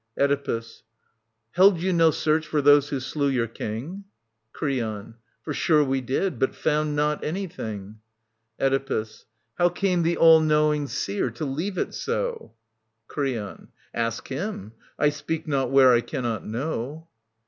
Oedipus. Held yoii no search for those who slew your King ? Creon. For sure we did, but found not anything. Oedipus. How came vhe all knowing seer to leave it so ? Creon. Ask him I 1 speak not where I cannot know.